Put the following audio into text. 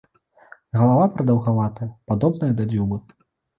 Галава прадаўгаватая, падобная да дзюбы.